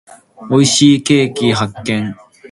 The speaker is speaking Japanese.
美味しいケーキ発見。